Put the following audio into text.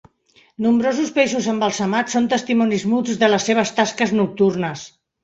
Nombrosos peixos embalsamats són testimonis muts de les seves tasques nocturnes.